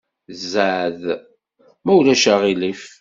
Zɛeḍ, ma ulac aɣilif.